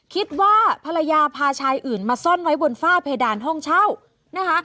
คิดว่าภรรยาพาชายอื่นมาซ่อนไว้บนฝ้าเพดานห้องเช่านะคะ